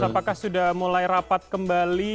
apakah sudah mulai rapat kembali